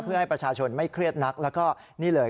เพื่อให้ประชาชนไม่เครียดนักแล้วก็นี่เลย